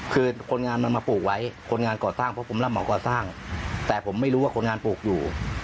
คือคนงานมันมาปลูกไว้คนงานก่อสร้างเพราะผมรับเหมาก่อสร้างแต่ผมไม่รู้ว่าคนงานปลูกอยู่